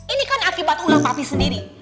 ini kan akibat ulah papi sendiri